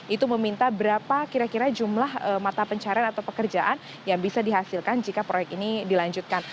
itu meminta berapa kira kira jumlah mata pencarian atau pekerjaan yang bisa dihasilkan jika proyek ini dilanjutkan